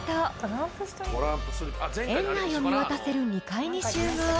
［園内を見渡せる２階に集合］